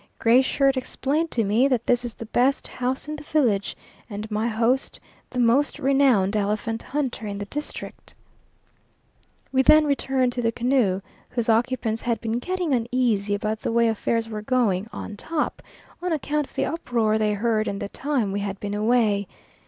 Gray Shirt explained to me that this is the best house in the village, and my host the most renowned elephant hunter in the district. We then returned to the canoe, whose occupants had been getting uneasy about the way affairs were going "on top," on account of the uproar they heard and the time we had been away.